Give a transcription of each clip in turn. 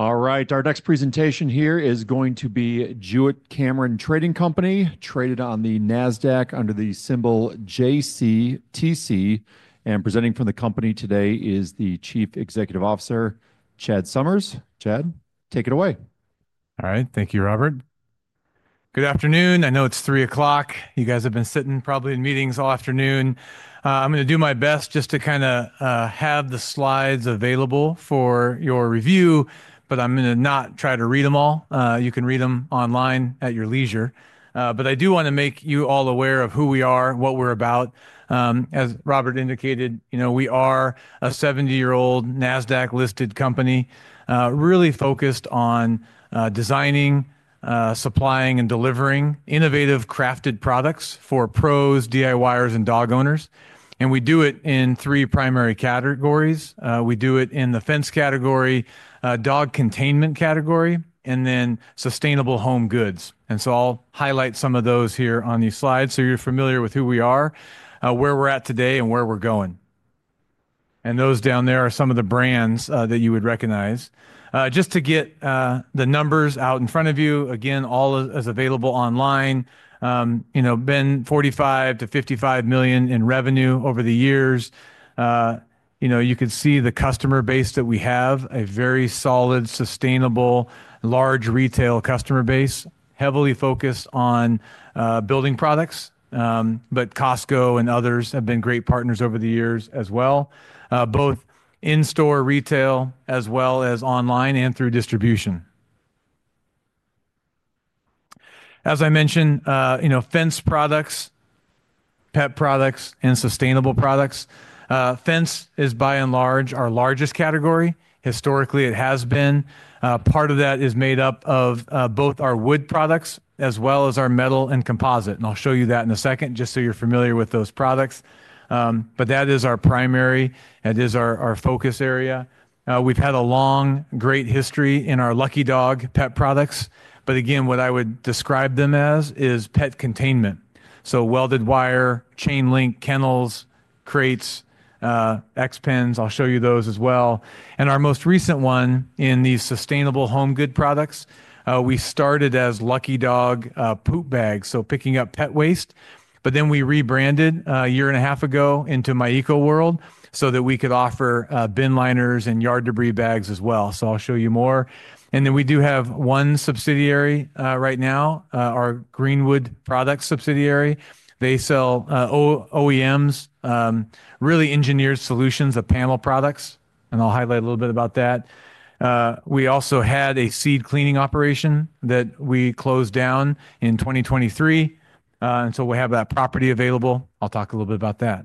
All right, our next presentation here is going to be Jewett-Cameron Trading Company, traded on the NASDAQ under the symbol JCTC. Presenting from the company today is the Chief Executive Officer, Chad Summers. Chad, take it away. All right, thank you, Robert. Good afternoon. I know it's 3:00. You guys have been sitting probably in meetings all afternoon. I'm going to do my best just to kind of have the slides available for your review, but I'm going to not try to read them all. You can read them online at your leisure. I do want to make you all aware of who we are, what we're about. As Robert indicated, you know we are a 70-year-old NASDAQ-listed company, really focused on designing, supplying, and delivering innovative crafted products for pros, DIYers, and dog owners. We do it in three primary categories. We do it in the fence category, dog containment category, and then sustainable home goods. I will highlight some of those here on these slides so you're familiar with who we are, where we're at today, and where we're going. Those down there are some of the brands that you would recognize. Just to get the numbers out in front of you, again, all is available online. You know, been $45 million-$55 million in revenue over the years. You know, you can see the customer base that we have, a very solid, sustainable, large retail customer base, heavily focused on building products. Costco and others have been great partners over the years as well, both in-store retail as well as online and through distribution. As I mentioned, you know, fence products, pet products, and sustainable products. Fence is, by and large, our largest category. Historically, it has been. Part of that is made up of both our wood products as well as our metal and composite. I'll show you that in a second, just so you're familiar with those products. That is our primary. That is our focus area. We've had a long, great history in our Lucky Dog pet products. What I would describe them as is pet containment. Welded wire, chain link, kennels, crates, X-pens. I'll show you those as well. Our most recent one in these sustainable home good products, we started as Lucky Dog Poop Bags, picking up pet waste. We rebranded a year and a half ago into MyEcoWorld so that we could offer bin liners and yard debris bags as well. I'll show you more. We do have one subsidiary right now, our Greenwood Products subsidiary. They sell OEMs, really engineered solutions of panel products. I'll highlight a little bit about that. We also had a seed cleaning operation that we closed down in 2023. We have that property available. I'll talk a little bit about that.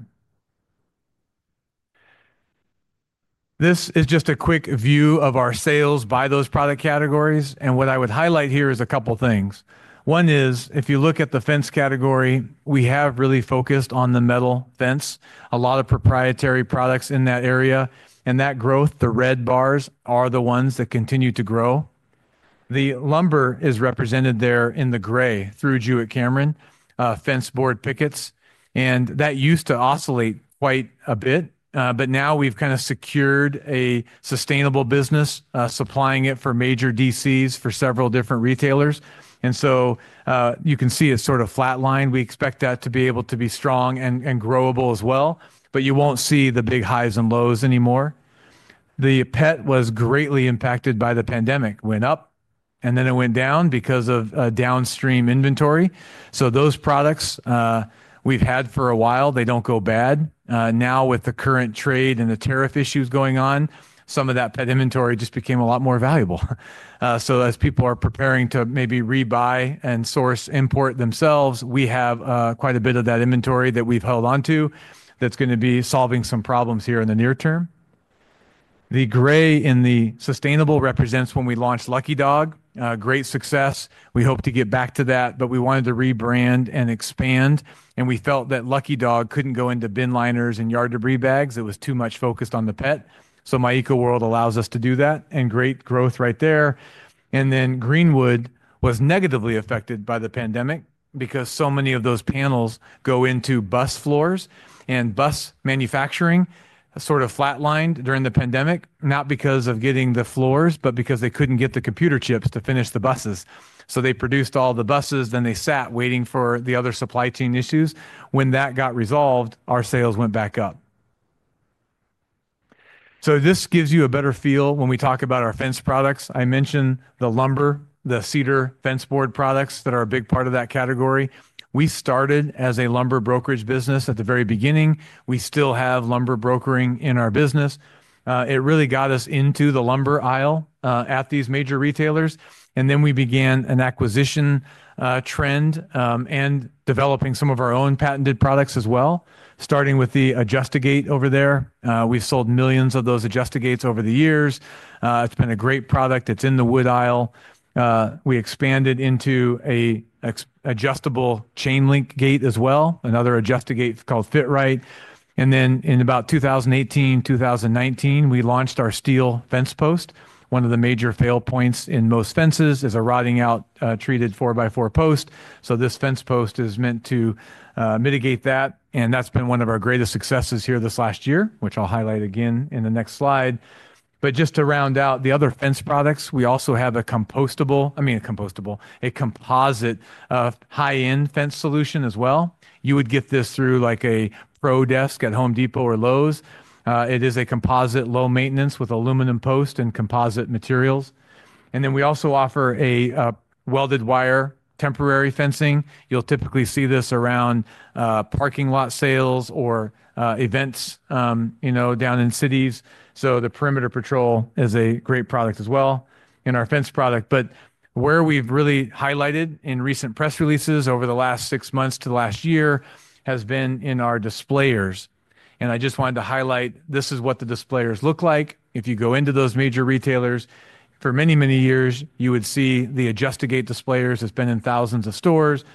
This is just a quick view of our sales by those product categories. What I would highlight here is a couple of things. One is, if you look at the fence category, we have really focused on the metal fence, a lot of proprietary products in that area. That growth, the red bars are the ones that continue to grow. The lumber is represented there in the gray through Jewett-Cameron Fence Board Pickets. That used to oscillate quite a bit. Now we've kind of secured a sustainable business, supplying it for major DCs for several different retailers. You can see a sort of flat line. We expect that to be able to be strong and growable as well. You won't see the big highs and lows anymore. The pet was greatly impacted by the pandemic. It went up, and then it went down because of downstream inventory. Those products we've had for a while, they do not go bad. Now, with the current trade and the tariff issues going on, some of that pet inventory just became a lot more valuable. As people are preparing to maybe rebuy and source import themselves, we have quite a bit of that inventory that we've held on to that is going to be solving some problems here in the near term. The gray in the sustainable represents when we launched Lucky Dog. Great success. We hope to get back to that. We wanted to rebrand and expand. We felt that Lucky Dog could not go into bin liners and yard debris bags. It was too much focused on the pet. MyEcoWorld allows us to do that. Great growth right there. Greenwood was negatively affected by the pandemic because so many of those panels go into bus floors. Bus manufacturing sort of flatlined during the pandemic, not because of getting the floors, but because they could not get the computer chips to finish the buses. They produced all the buses, then they sat waiting for the other supply chain issues. When that got resolved, our sales went back up. This gives you a better feel when we talk about our fence products. I mentioned the lumber, the cedar fence board products that are a big part of that category. We started as a lumber brokerage business at the very beginning. We still have lumber brokering in our business. It really got us into the lumber aisle at these major retailers. Then we began an acquisition trend and developing some of our own patented products as well, starting with the Adjust-A-Gate over there. We've sold millions of those Adjust-A-Gates over the years. It's been a great product. It's in the wood aisle. We expanded into an adjustable chain link gate as well, another Adjust-A-Gate called Fit-Right. Then in about 2018, 2019, we launched our steel fence post. One of the major fail points in most fences is a rotting out treated 4x4 post. This fence post is meant to mitigate that. That's been one of our greatest successes here this last year, which I'll highlight again in the next slide. Just to round out the other fence products, we also have a compostable, I mean, a compostable, a composite high-end fence solution as well. You would get this through like a Pro Desk at Home Depot or Lowe's. It is a composite low maintenance with aluminum post and composite materials. We also offer a welded wire temporary fencing. You'll typically see this around parking lot sales or events, you know, down in cities. The Perimeter Patrol is a great product as well in our fence product. Where we've really highlighted in recent press releases over the last six months to last year has been in our displayers. I just wanted to highlight this is what the displayers look like. If you go into those major retailers, for many, many years, you would see the Adjust-A-Gate displayers. It's been in thousands of stores.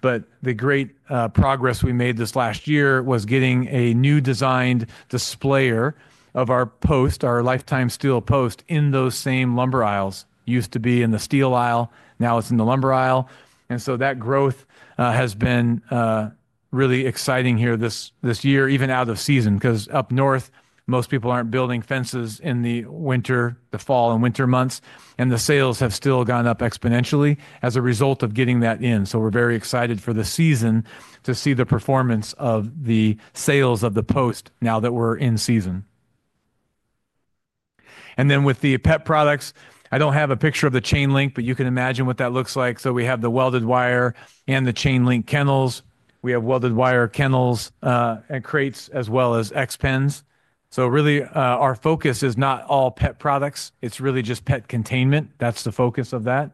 The great progress we made this last year was getting a new designed displayer of our post, our Lifetime Steel Post in those same lumber aisles. It used to be in the steel aisle. Now it is in the lumber aisle. That growth has been really exciting here this year, even out of season, because up north, most people are not building fences in the winter, the fall and winter months. The sales have still gone up exponentially as a result of getting that in. We are very excited for the season to see the performance of the sales of the post now that we are in season. With the pet products, I do not have a picture of the chain link, but you can imagine what that looks like. We have the welded wire and the chain link kennels. We have welded wire kennels, pet crates, as well as X-pens. Really, our focus is not all pet products. It is really just pet containment. That is the focus of that.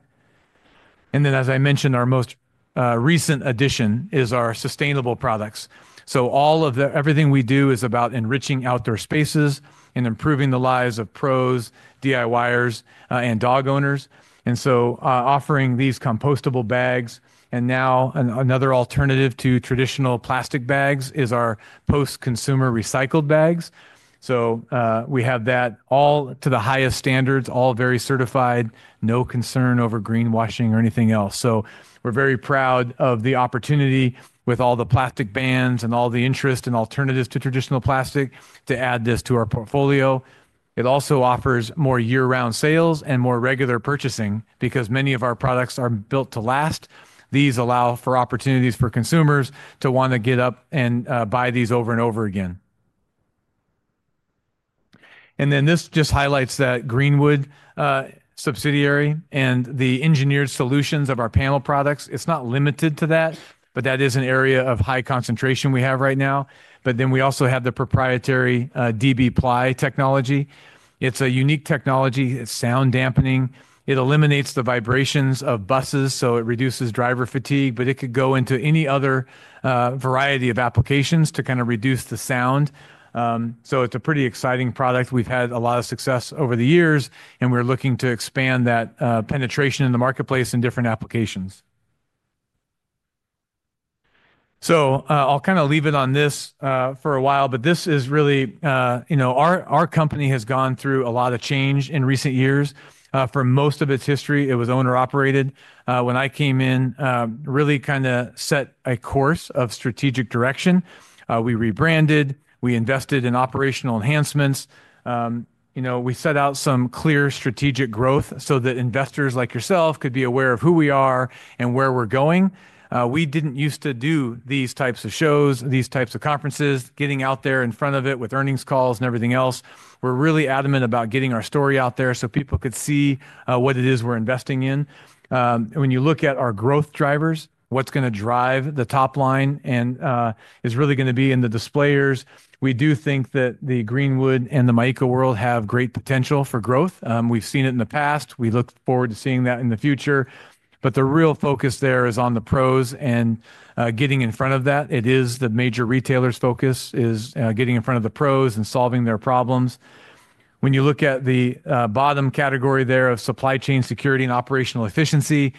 As I mentioned, our most recent addition is our sustainable products. All of everything we do is about enriching outdoor spaces and improving the lives of pros, DIYers, and dog owners. Offering these compostable bags, and now another alternative to traditional plastic bags is our post-consumer recycled bags. We have that all to the highest standards, all very certified, no concern over greenwashing or anything else. We are very proud of the opportunity with all the plastic bans and all the interest and alternatives to traditional plastic to add this to our portfolio. It also offers more year-round sales and more regular purchasing because many of our products are built to last. These allow for opportunities for consumers to want to get up and buy these over and over again. This just highlights that Greenwood subsidiary and the engineered solutions of our panel products. It's not limited to that, but that is an area of high concentration we have right now. We also have the proprietary dB-Ply Technology. It's a unique technology. It's sound dampening. It eliminates the vibrations of buses, so it reduces driver fatigue. It could go into any other variety of applications to kind of reduce the sound. It's a pretty exciting product. We've had a lot of success over the years, and we're looking to expand that penetration in the marketplace in different applications. I'll kind of leave it on this for a while. This is really, you know, our company has gone through a lot of change in recent years. For most of its history, it was owner-operated. When I came in, really kind of set a course of strategic direction. We rebranded. We invested in operational enhancements. You know, we set out some clear strategic growth so that investors like yourself could be aware of who we are and where we're going. We did not used to do these types of shows, these types of conferences, getting out there in front of it with earnings calls and everything else. We're really adamant about getting our story out there so people could see what it is we're investing in. When you look at our growth drivers, what's going to drive the top line is really going to be in the displayers. We do think that the Greenwood and the MyEcoWorld have great potential for growth. We've seen it in the past. We look forward to seeing that in the future. The real focus there is on the pros and getting in front of that. It is the major retailer's focus is getting in front of the pros and solving their problems. When you look at the bottom category there of supply chain security and operational efficiency,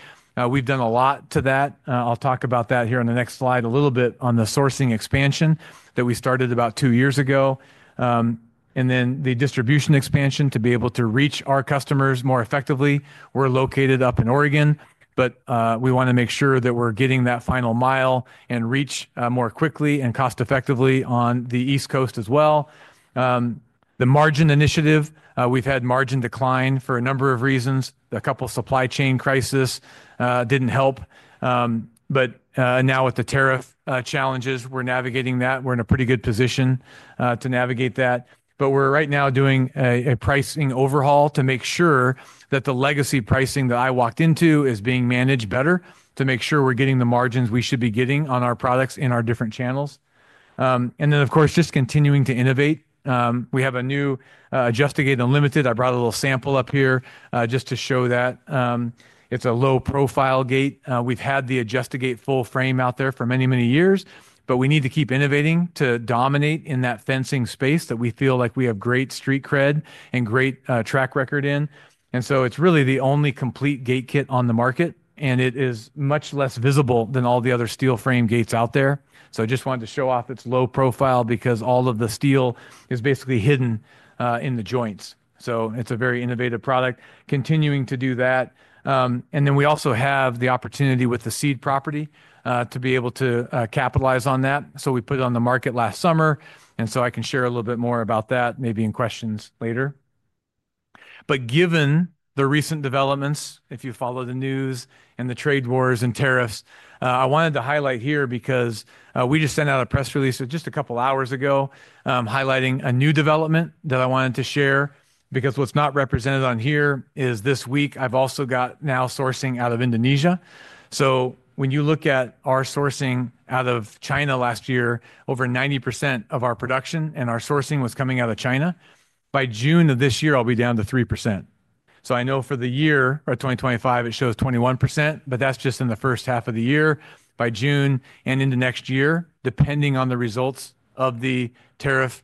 we've done a lot to that. I'll talk about that here on the next slide a little bit on the sourcing expansion that we started about two years ago. The distribution expansion to be able to reach our customers more effectively. We're located up in Oregon, but we want to make sure that we're getting that final mile and reach more quickly and cost-effectively on the East Coast as well. The margin initiative, we've had margin decline for a number of reasons. A couple of supply chain crises didn't help. Now with the tariff challenges, we're navigating that. We're in a pretty good position to navigate that. We're right now doing a pricing overhaul to make sure that the legacy pricing that I walked into is being managed better to make sure we're getting the margins we should be getting on our products in our different channels. Of course, just continuing to innovate. We have a new Adjust-A-Gate Unlimited. I brought a little sample up here just to show that. It's a low profile gate. We've had the Adjust-A-Gate full frame out there for many, many years. We need to keep innovating to dominate in that fencing space that we feel like we have great street cred and great track record in. It is really the only complete gate kit on the market. It is much less visible than all the other steel frame gates out there. I just wanted to show off its low profile because all of the steel is basically hidden in the joints. It is a very innovative product, continuing to do that. We also have the opportunity with the seed property to be able to capitalize on that. We put it on the market last summer. I can share a little bit more about that, maybe in questions later. Given the recent developments, if you follow the news and the trade wars and tariffs, I wanted to highlight here because we just sent out a press release just a couple of hours ago highlighting a new development that I wanted to share. Because what's not represented on here is this week I've also got now sourcing out of Indonesia. When you look at our sourcing out of China last year, over 90% of our production and our sourcing was coming out of China. By June of this year, I'll be down to 3%. I know for the year or 2025, it shows 21%, but that's just in the first half of the year. By June and into next year, depending on the results of the tariff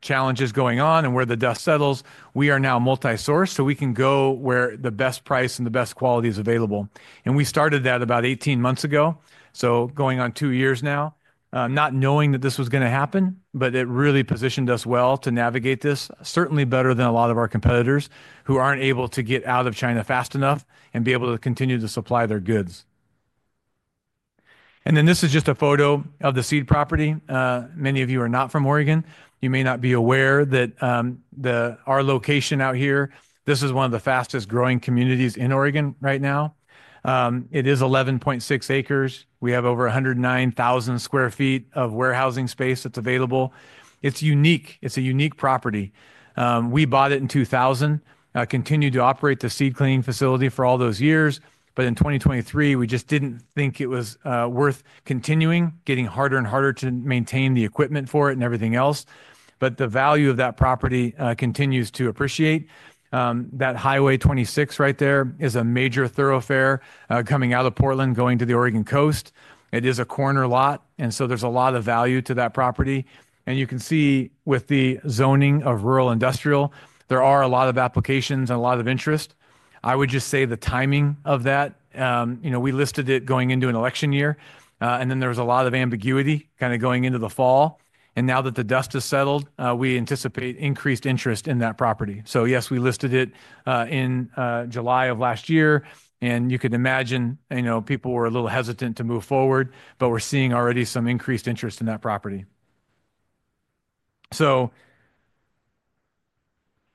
challenges going on and where the dust settles, we are now multi-sourced so we can go where the best price and the best quality is available. We started that about 18 months ago. Going on two years now, not knowing that this was going to happen, but it really positioned us well to navigate this, certainly better than a lot of our competitors who are not able to get out of China fast enough and be able to continue to supply their goods. This is just a photo of the seed property. Many of you are not from Oregon. You may not be aware that our location out here, this is one of the fastest growing communities in Oregon right now. It is 11.6 acres. We have over 109,000 sq ft of warehousing space that is available. It is unique. It is a unique property. We bought it in 2000, continued to operate the seed cleaning facility for all those years. In 2023, we just didn't think it was worth continuing, getting harder and harder to maintain the equipment for it and everything else. The value of that property continues to appreciate. That Highway 26 right there is a major thoroughfare coming out of Portland, going to the Oregon coast. It is a corner lot. There is a lot of value to that property. You can see with the zoning of rural industrial, there are a lot of applications and a lot of interest. I would just say the timing of that, you know, we listed it going into an election year. There was a lot of ambiguity kind of going into the fall. Now that the dust has settled, we anticipate increased interest in that property. Yes, we listed it in July of last year. You could imagine, you know, people were a little hesitant to move forward, but we're seeing already some increased interest in that property.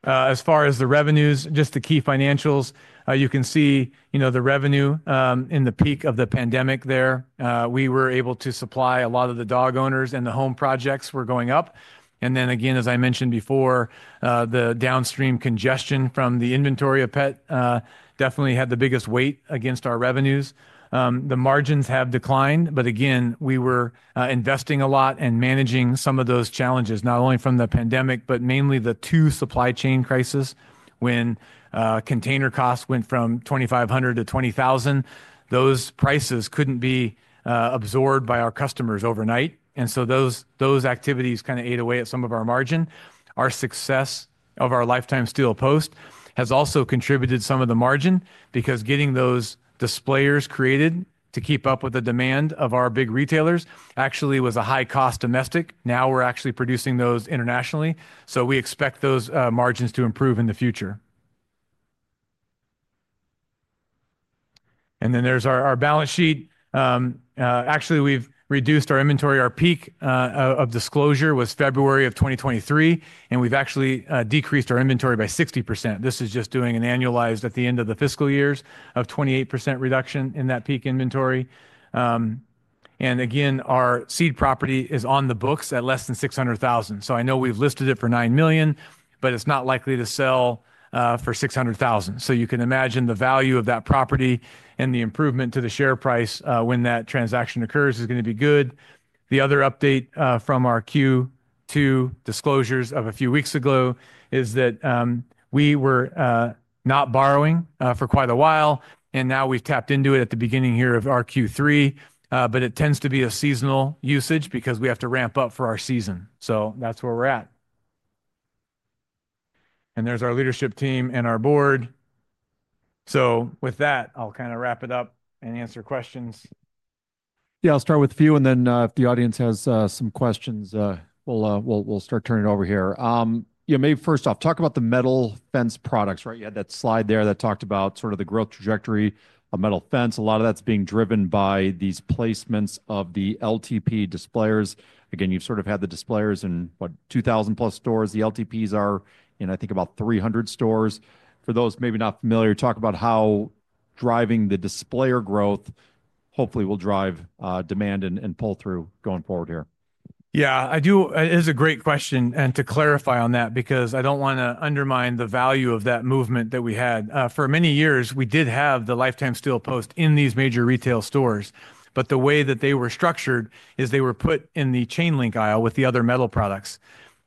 As far as the revenues, just the key financials, you can see, you know, the revenue in the peak of the pandemic there. We were able to supply a lot of the dog owners and the home projects were going up. As I mentioned before, the downstream congestion from the inventory of pet definitely had the biggest weight against our revenues. The margins have declined. Again, we were investing a lot and managing some of those challenges, not only from the pandemic, but mainly the two supply chain crises when container costs went from $2,500 to $20,000. Those prices could not be absorbed by our customers overnight. Those activities kind of ate away at some of our margin. Our success of our Lifetime Steel Post has also contributed to some of the margin because getting those displayers created to keep up with the demand of our big retailers actually was a high-cost domestic. Now we're actually producing those internationally. We expect those margins to improve in the future. There is our balance sheet. Actually, we've reduced our inventory. Our peak of disclosure was February of 2023, and we've actually decreased our inventory by 60%. This is just doing an annualized at the end of the fiscal years of 28% reduction in that peak inventory. Again, our seed property is on the books at less than $600,000. I know we've listed it for $9 million, but it's not likely to sell for $600,000. You can imagine the value of that property and the improvement to the share price when that transaction occurs is going to be good. The other update from our Q2 disclosures of a few weeks ago is that we were not borrowing for quite a while, and now we've tapped into it at the beginning here of our Q3. It tends to be a seasonal usage because we have to ramp up for our season. That's where we're at. There's our leadership team and our board. With that, I'll kind of wrap it up and answer questions. Yeah, I'll start with a few, and then if the audience has some questions, we'll start turning it over here. Maybe first off, talk about the metal fence products, right? You had that slide there that talked about sort of the growth trajectory of metal fence. A lot of that's being driven by these placements of the LTP displayers. Again, you've sort of had the displayers in what, 2,000 plus stores? The LTPs are, you know, I think about 300 stores. For those maybe not familiar, talk about how driving the displayer growth hopefully will drive demand and pull through going forward here. Yeah, I do. It is a great question. To clarify on that, because I don't want to undermine the value of that movement that we had. For many years, we did have the Lifetime Steel Post in these major retail stores. The way that they were structured is they were put in the chain link aisle with the other metal products.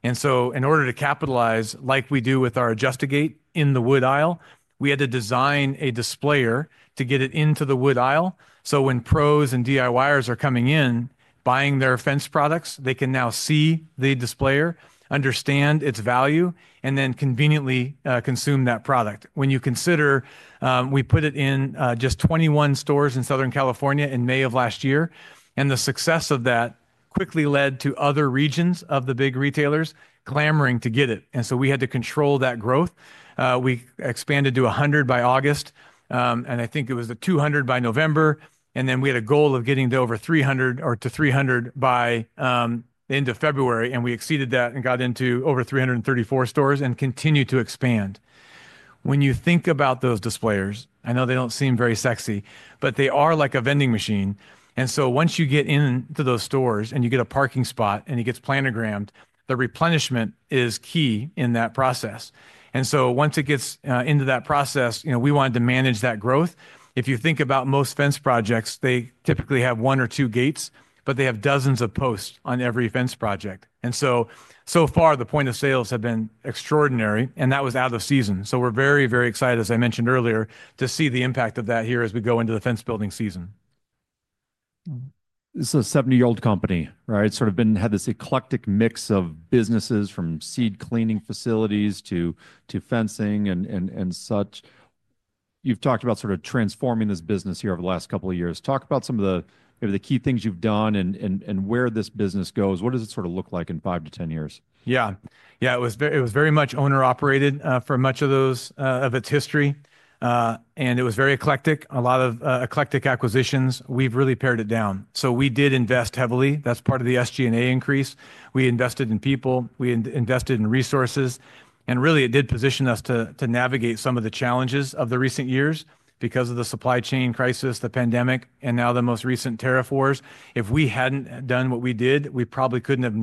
In order to capitalize, like we do with our Adjust-A-Gate in the wood aisle, we had to design a displayer to get it into the wood aisle. When pros and DIYers are coming in buying their fence products, they can now see the displayer, understand its value, and then conveniently consume that product. When you consider, we put it in just 21 stores in Southern California in May of last year. The success of that quickly led to other regions of the big retailers clamoring to get it. We had to control that growth. We expanded to 100 by August, and I think it was 200 by November. We had a goal of getting to over 300 or to 300 by the end of February. We exceeded that and got into over 334 stores and continued to expand. When you think about those displayers, I know they do not seem very sexy, but they are like a vending machine. Once you get into those stores and you get a parking spot and it gets planogrammed, the replenishment is key in that process. Once it gets into that process, you know, we wanted to manage that growth. If you think about most fence projects, they typically have one or two gates, but they have dozens of posts on every fence project. So far, the point of sales have been extraordinary, and that was out of season. We are very, very excited, as I mentioned earlier, to see the impact of that here as we go into the fence building season. This is a 70-year-old company, right? It has sort of had this eclectic mix of businesses from seed cleaning facilities to fencing and such. You have talked about sort of transforming this business here over the last couple of years. Talk about some of the maybe the key things you've done and where this business goes. What does it sort of look like in five to ten years? Yeah, yeah, it was very much owner-operated for much of its history. It was very eclectic. A lot of eclectic acquisitions. We've really pared it down. We did invest heavily. That's part of the SG&A increase. We invested in people. We invested in resources. It did position us to navigate some of the challenges of the recent years because of the supply chain crisis, the pandemic, and now the most recent tariff wars. If we hadn't done what we did, we probably couldn't have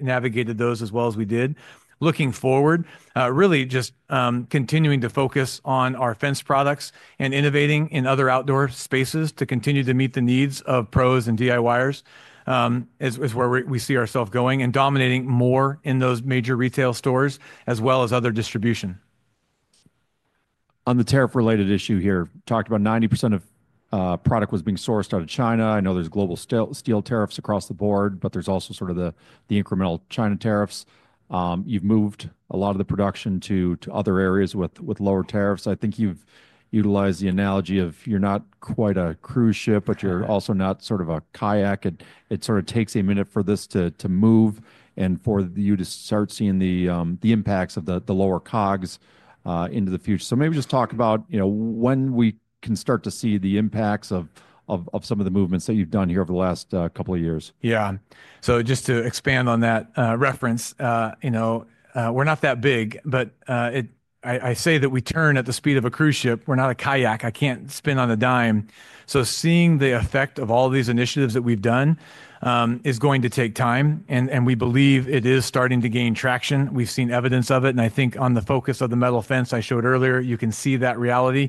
navigated those as well as we did. Looking forward, really just continuing to focus on our fence products and innovating in other outdoor spaces to continue to meet the needs of pros and DIYers is where we see ourselves going and dominating more in those major retail stores as well as other distribution. On the tariff-related issue here, talked about 90% of product was being sourced out of China. I know there's global steel tariffs across the board, but there's also sort of the incremental China tariffs. You've moved a lot of the production to other areas with lower tariffs. I think you've utilized the analogy of you're not quite a cruise ship, but you're also not sort of a kayak. It sort of takes a minute for this to move and for you to start seeing the impacts of the lower cogs into the future. Maybe just talk about, you know, when we can start to see the impacts of some of the movements that you've done here over the last couple of years. Yeah. Just to expand on that reference, you know, we're not that big, but I say that we turn at the speed of a cruise ship. We're not a kayak. I can't spin on a dime. Seeing the effect of all these initiatives that we've done is going to take time. We believe it is starting to gain traction. We've seen evidence of it. I think on the focus of the metal fence I showed earlier, you can see that reality.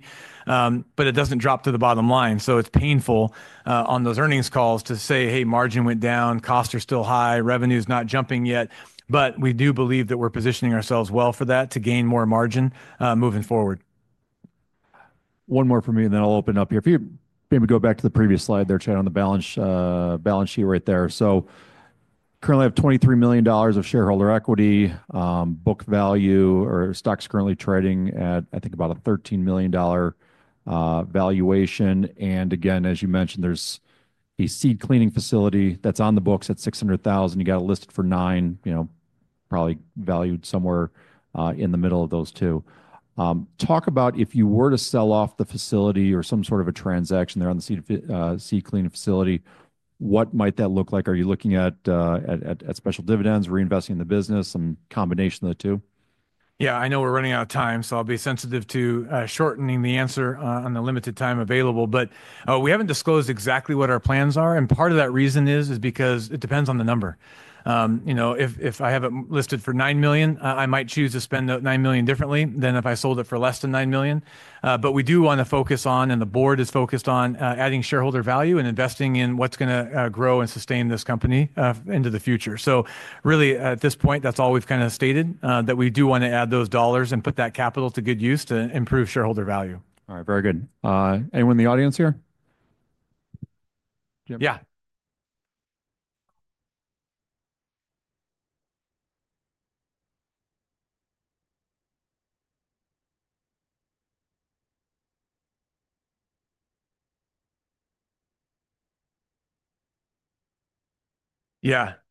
It doesn't drop to the bottom line. It's painful on those earnings calls to say, hey, margin went down, costs are still high, revenue is not jumping yet. We do believe that we're positioning ourselves well for that to gain more margin moving forward. One more for me, and then I'll open up here. If you maybe go back to the previous slide there, Chad, on the balance sheet right there. Currently I have $23 million of shareholder equity. Book value or stock's currently trading at, I think, about a $13 million valuation. Again, as you mentioned, there's a seed cleaning facility that's on the books at $600,000. You got it listed for nine, you know, probably valued somewhere in the middle of those two. Talk about if you were to sell off the facility or some sort of a transaction there on the seed cleaning facility, what might that look like? Are you looking at special dividends, reinvesting in the business, some combination of the two? Yeah, I know we're running out of time, so I'll be sensitive to shortening the answer on the limited time available. We haven't disclosed exactly what our plans are. Part of that reason is because it depends on the number. You know, if I have it listed for $9 million, I might choose to spend $9 million differently than if I sold it for less than $9 million. We do want to focus on, and the board is focused on, adding shareholder value and investing in what's going to grow and sustain this company into the future. Really, at this point, that's all we've kind of stated, that we do want to add those dollars and put that capital to good use to improve shareholder value. All right, very good. Anyone in the audience here? Jim? Yeah. Yeah. The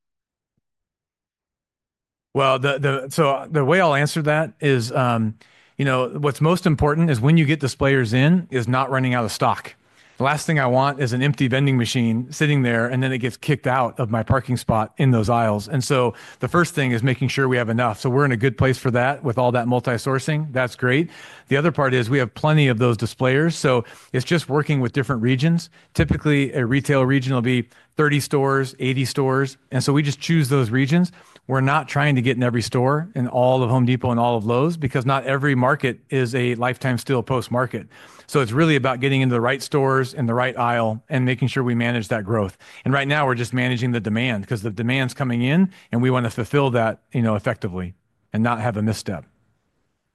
way I'll answer that is, you know, what's most important is when you get displayers in is not running out of stock. The last thing I want is an empty vending machine sitting there, and then it gets kicked out of my parking spot in those aisles. The first thing is making sure we have enough. We're in a good place for that with all that multi-sourcing. That's great. The other part is we have plenty of those displayers. It's just working with different regions. Typically, a retail region will be 30 stores, 80 stores. We just choose those regions. We're not trying to get in every store in all of Home Depot and all of Lowe's because not every market is a Lifetime Steel Post market. It's really about getting into the right stores in the right aisle and making sure we manage that growth. Right now, we're just managing the demand because the demand's coming in, and we want to fulfill that, you know, effectively and not have a misstep.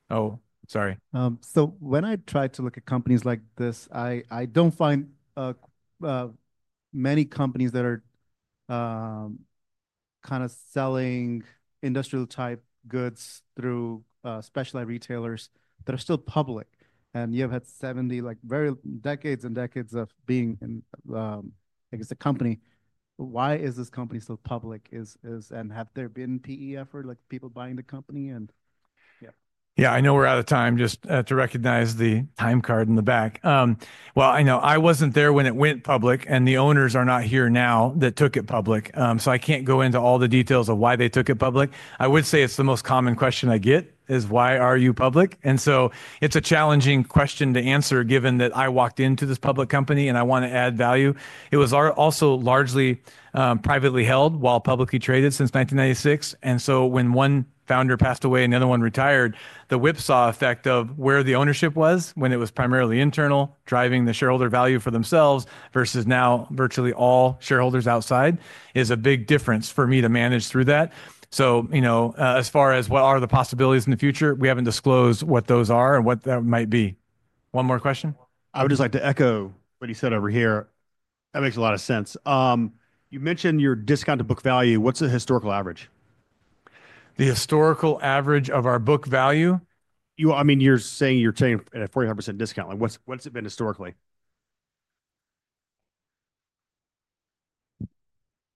Sorry. When I try to look at companies like this, I don't find many companies that are kind of selling industrial-type goods through specialized retailers that are still public. You have had 70, like very decades and decades of being in, I guess, a company. Why is this company still public? Have there been PE effort, like people buying the company? Yeah. I know we're out of time, just to recognize the time card in the back. I know I wasn't there when it went public, and the owners are not here now that took it public. I can't go into all the details of why they took it public. I would say it's the most common question I get is, why are you public? It's a challenging question to answer given that I walked into this public company and I want to add value. It was also largely privately held while publicly traded since 1996. When one founder passed away and the other one retired, the whipsaw effect of where the ownership was when it was primarily internal driving the shareholder value for themselves versus now virtually all shareholders outside is a big difference for me to manage through that. You know, as far as what are the possibilities in the future, we haven't disclosed what those are and what that might be. One more question? I would just like to echo what he said over here. That makes a lot of sense. You mentioned your discount to book value. What's the historical average? The historical average of our book value? I mean, you're saying you're taking a 45% discount. Like, what's it been historically?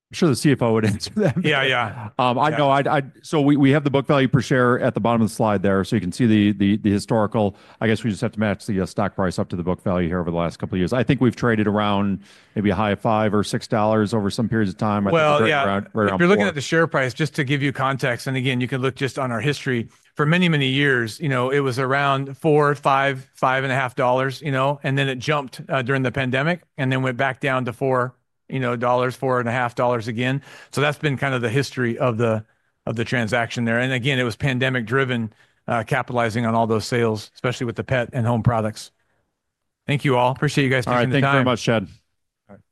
I'm sure the CFO would answer that. Yeah, yeah. I know. We have the book value per share at the bottom of the slide there. You can see the historical. I guess we just have to match the stock price up to the book value here over the last couple of years. I think we've traded around maybe a high of five or six dollars over some periods of time. If you're looking at the share price, just to give you context, and again, you can look just on our history for many, many years, you know, it was around $4, $5, $5.50, you know, and then it jumped during the pandemic and then went back down to $4, you know, $4.50 again. That's been kind of the history of the transaction there. Again, it was pandemic-driven, capitalizing on all those sales, especially with the pet and home products. Thank you all. Appreciate you guys taking the time. Thanks very much, Chad.